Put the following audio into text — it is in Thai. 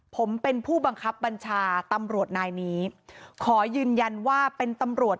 ผมเป็นผู้บังคับบัญชาตำรวจนายนี้ขอยืนยันว่าเป็นตำรวจ